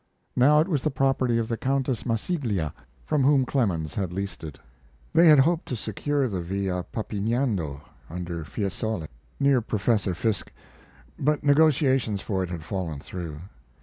Now it was the property of the Countess Massiglia, from whom Clemens had leased it. They had hoped to secure the Villa Papiniano, under Fiesole, near Professor Fiske, but negotiations for it had fallen through.